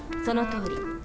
そのとおり。